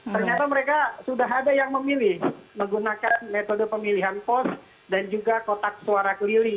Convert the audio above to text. ternyata mereka sudah ada yang memilih menggunakan metode pemilihan pos dan juga kotak suara keliling